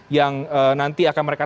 yang nanti akan mereka